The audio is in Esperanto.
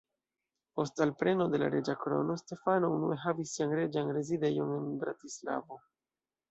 Post alpreno de la reĝa krono, Stefano unue havis sian reĝan rezidejon en Bratislavo.